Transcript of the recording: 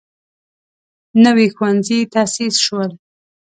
نوي ښوونځي تاسیس شول.